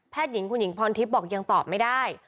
หญิงคุณหญิงพรทิพย์บอกยังตอบไม่ได้